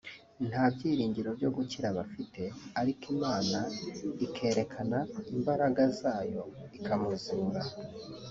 nta byiringiro byo gukira bafite ariko Imana ikerekana imbaraga zayo ikamuzura